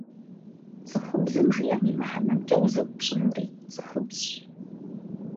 ЦӀыхубзым жиӏэм и мыхьэнэмкӀэ узэупщӀынури цӀыхубзщ.